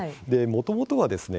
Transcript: もともとはですね